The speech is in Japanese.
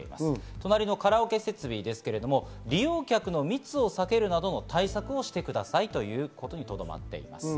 隣のカラオケ設備、利用客の密を避けるなどの対策をしてくださいということにとどまっています。